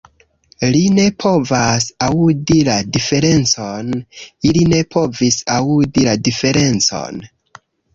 Li ne povas aŭdi la diferencon li ne povis aŭdi la diferencon!